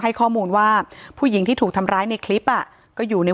ให้ข้อมูลว่าผู้หญิงที่ถูกทำร้ายในคลิปอ่ะก็อยู่ใน